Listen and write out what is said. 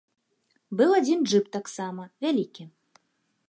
Быў адзін джып таксама, вялікі.